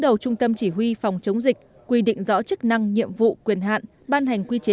đầu trung tâm chỉ huy phòng chống dịch quy định rõ chức năng nhiệm vụ quyền hạn ban hành quy chế